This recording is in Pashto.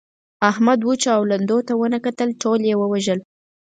احمد وچو او لندو ته و نه کتل؛ ټول يې ووژل.